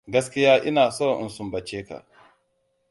Gaskiya ina so in sumbace ka.